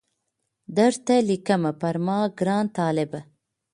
درته لیکمه پر ما ګران طالبه